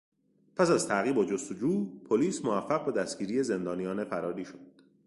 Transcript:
پس از تعقیب و جستجو، پلیس موفق به دستگیری زندانیان فراری شد.